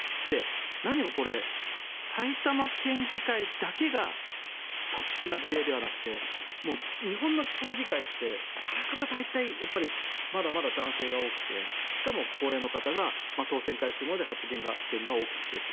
何もこれ、埼玉県議会だけが特殊な事例ではなくてもう日本の地方議会ってあらかた大体まだまだ男性が多くてしかも高齢の方が当選回数が多いので発言が大きくてと。